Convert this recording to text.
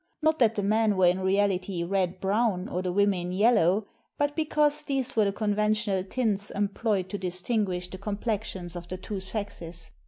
Not that the men were in reality red brown or the women yellow, but because these were the conventional tints employed to distin guish the complexions of the two sexes.